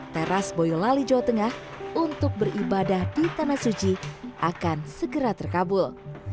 teras boyolali jawa tengah untuk beribadah di tanah suci akan segera terkabul